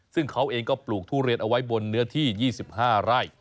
ซึ่งเขาเองก็ปลูกทุเรียนเอาไว้บนเนื้อที่๒๕ไร่